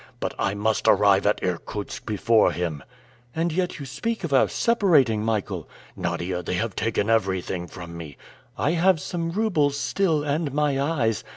But I must arrive at Irkutsk before him." "And yet you speak of our separating, Michael?" "Nadia, they have taken everything from me!" "I have some roubles still, and my eyes!